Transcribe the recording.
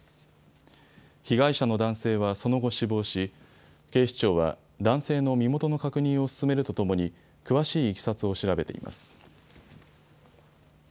被害者の男性はその後、死亡し、警視庁は男性の身元の確認を進めるとともに詳しいいきさつを調べています。